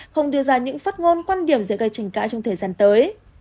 không đưa ra những phát ngôn quan điểm dễ gây tranh cãi trong thời gian tới